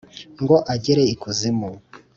Ngo agere i kuzimu